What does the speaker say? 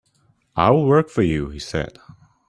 "I'll work for you," he said.